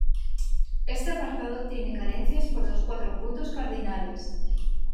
Este apartado tiene carencias por los cuatro puntos cardinales.